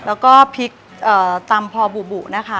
แล้วก็พริกตำพอบุนะคะ